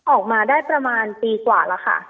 ออกมาได้ประมาณปีกว่าแล้วค่ะ